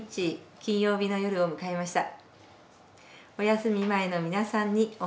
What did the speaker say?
金曜日の夜を迎えました。